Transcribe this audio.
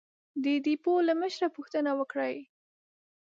د ډېپو له مشره پوښتنه وکړئ!